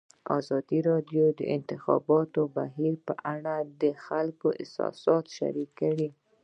ازادي راډیو د د انتخاباتو بهیر په اړه د خلکو احساسات شریک کړي.